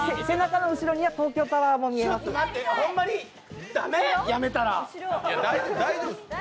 背中の後ろには東京タワーも見えます。